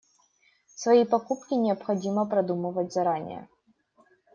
Свои покупки необходимо продумывать заранее.